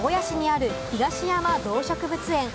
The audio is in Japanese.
愛知県名古屋市にある東山動植物園。